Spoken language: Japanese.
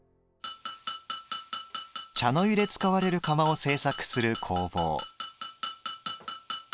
茶の湯で使われる釜を製作する工房。